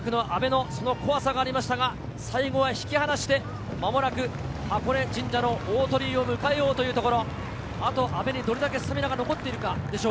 初めての箱根駅伝、初めての山上り、中央大学・阿部の怖さがありましたが最後は引き離して間もなく、箱根神社の大鳥居を迎えようというところ。